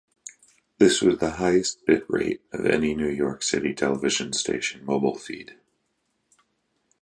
This was the highest bitrate of any New York City television station mobile feed.